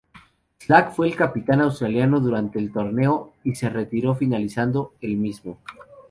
Slack fue el capitán australiano durante el torneo y se retiró finalizado el mismo.